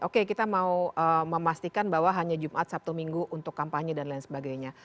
oke kita mau memastikan bahwa hanya jumat sabtu minggu untuk kampanye dan lain sebagainya